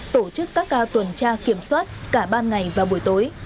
tổ chức các ca tuần tra kiểm soát cả ban ngày và buổi tối